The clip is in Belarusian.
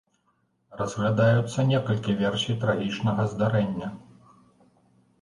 Разглядаюцца некалькі версій трагічнага здарэння.